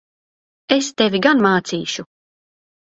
Es tevi gan mācīšu!